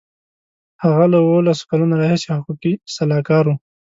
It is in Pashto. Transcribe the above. هغه له اوولس کلونو راهیسې حقوقي سلاکار و.